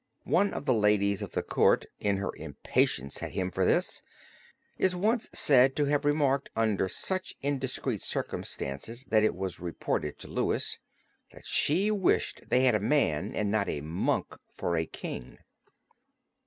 One of the ladies of the court in her impatience at him for this, is once said to have remarked under such indiscreet circumstances that it was reported to Louis, that she wished they had a man and not a monk for King.